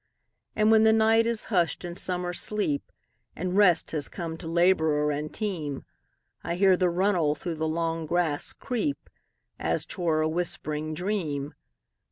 And when the night is hush'd in summer sleep, And rest has come to laborer and team,I hear the runnel through the long grass creep, As 't were a whispering dream.